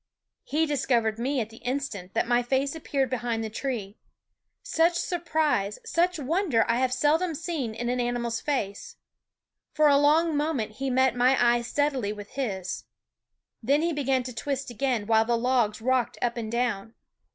He discovered me at the instant that my face appeared behind the tree. Such < surprise, such wonder I have seldom seen W id'JJ in an animal's face. For a long moment he met my eyes steadily with his. Then he began to twist again, while the logs rocked up and down.